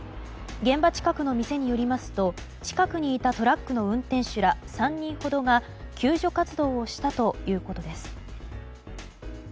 現場近くの店によりますと近くにいたトラックの運転手ら３人ほどが救助活動をしたということです。